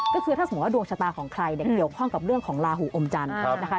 ก็คือถ้าสมมุติว่าดวงชะตาของใครเนี่ยเกี่ยวข้องกับเรื่องของลาหูอมจันทร์นะคะ